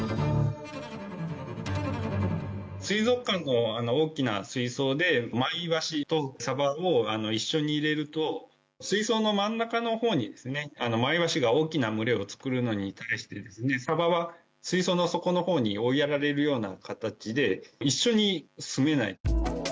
水族館の大きな水槽でマイワシとサバを一緒に入れると水槽の真ん中のほうにマイワシが大きな群れを作るのに対してサバは水槽の底のほうに追いやられるような形で一緒にすめない。